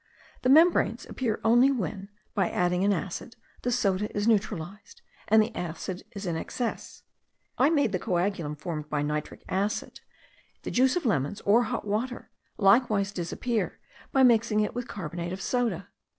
The membranes appear only when, by adding an acid, the soda is neutralized, and the acid is in excess. I made the coagulum formed by nitric acid, the juice of lemons, or hot water, likewise disappear by mixing it with carbonate of soda.